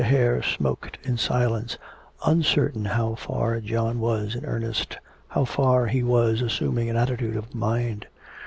Hare smoked in silence, uncertain how far John was in earnest, how far he was assuming an attitude of mind.